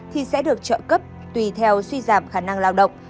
thì sẽ được trợ cấp tùy theo suy giảm khả năng lao động